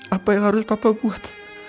apa yang harus bapak buat